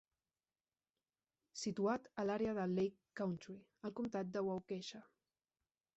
Situat a l'àrea de "Lake Country", al comtat de Waukesha.